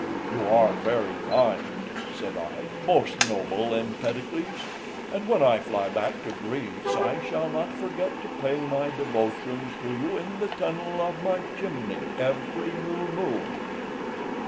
"You are very kind," said I, "most noble Empedocles, and when I fly back to Greece, I shall not forget to pay my devotions to you in the tunnel of my chimney every new moon."